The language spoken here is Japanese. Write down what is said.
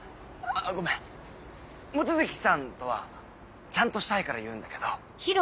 ごめん望月さんとはちゃんとしたいから言うんだけど。